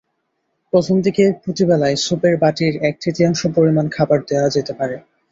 প্রথম দিকে প্রতিবেলায় স্যুপের বাটির এক-তৃতীয়াংশ পরিমাণ খাবার দেওয়া যেতে পারে।